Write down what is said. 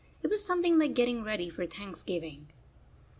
It was something like getting ready for Thanksgiving.